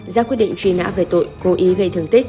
ra quyết định truy nã về tội cố ý gây thương tích